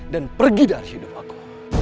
dan pergi dari hidup aku